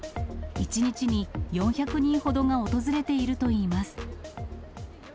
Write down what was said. １日に４００人ほどが訪れているといいます。